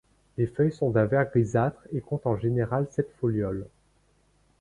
Les feuilles sont d'un vert grisâtre et comptent en général sept folioles.